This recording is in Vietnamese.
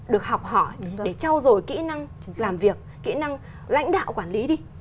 được học hỏi để trao dồi kỹ năng làm việc kỹ năng lãnh đạo quản lý đi